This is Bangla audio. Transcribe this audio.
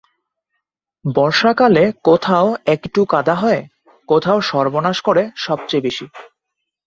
বর্ষাকালে কোথাও একইটু কাদা হয়, কোথাও সর্বনাশ করে সবচেয়ে বেশি।